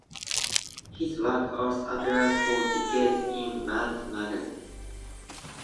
His work also appeared for decades in "Mad" magazine.